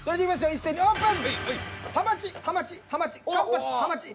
一斉にオープン。